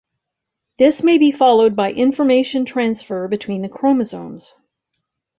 This may be followed by information transfer between the chromosomes.